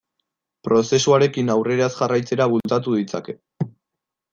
Prozesuarekin aurrera ez jarraitzera bultzatu ditzake.